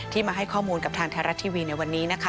ที่มาให้ข้อมูลกับทางทาระทีวีในวันนี้